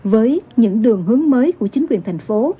với những đường hướng mới của chính quyền thành phố